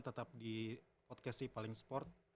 tetap di podcast si paling sport